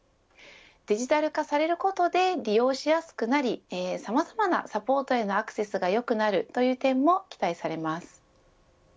デジタル化されることで利用しやすくなりさまざまなサポートへのアクセスが良くなる、という点も期待されます。